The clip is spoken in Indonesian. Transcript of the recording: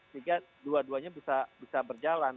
sehingga dua duanya bisa berjalan